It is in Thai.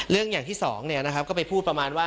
เรื่องอย่างที่สองก็ไปพูดประมาณว่า